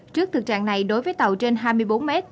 trước thực trạng này đối với tàu trên hai mươi bốn m